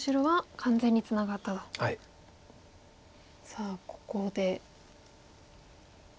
さあここで。